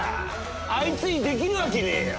あいつにできるわけねえよ。